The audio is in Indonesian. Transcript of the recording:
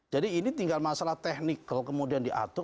jadi ini tinggal masalah teknikal kemudian diatur